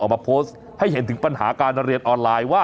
มาโพสต์ให้เห็นถึงปัญหาการเรียนออนไลน์ว่า